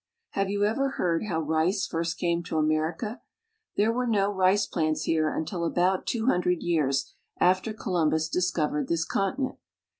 Have you ever heard how rice first came to America? There were no rice plants here until about two hundred years after Columbus discovered this continent.